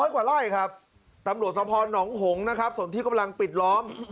กว่าไล่ครับตำรวจสภหนองหงนะครับส่วนที่กำลังปิดล้อม